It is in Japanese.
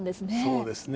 そうですね。